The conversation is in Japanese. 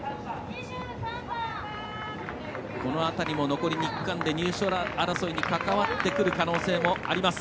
この辺りも、残り２区間で入賞争いに関わってくる可能性もあります。